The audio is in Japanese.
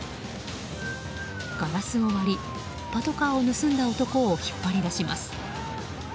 ガラスを割りパトカーを盗んだ男を引っ張り出します。